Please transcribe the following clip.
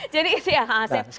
jadi isi yang aset